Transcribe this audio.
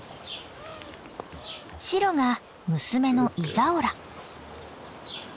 白が娘のイザオラ。